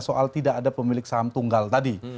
soal tidak ada pemilik saham tunggal tadi